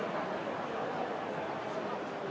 สวัสดีครับ